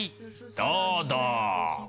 どうどう。